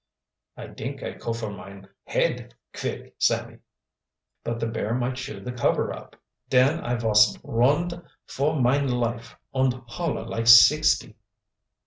"I dink I cofer mine head kvick, Sammy." "But the bear might chew the cover up." "Den I vos rund for mine life und holler like sixty!"